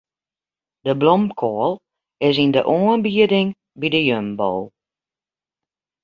De blomkoal is yn de oanbieding by de Jumbo.